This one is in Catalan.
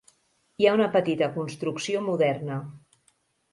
Hi ha una petita construcció moderna.